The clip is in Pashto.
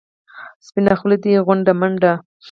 سپینه خوله دې غونډه منډه.